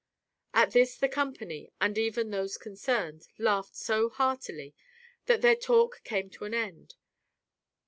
At this the company, and even those concerned, laughed so heartily that their talk came to an end.